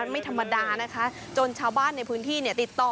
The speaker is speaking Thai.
ไม่ธรรมดานะคะจนชาวบ้านในพื้นที่เนี่ยติดต่อ